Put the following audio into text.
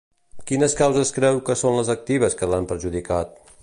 Quines causes creu que són les actives que l'han perjudicat?